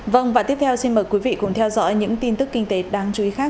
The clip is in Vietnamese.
vâng và tiếp theo xin mời quý vị cùng theo dõi những tin tức kinh tế đáng chú ý khác